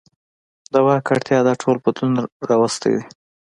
د واک اړتیا دا ټول بدلون راوستی دی.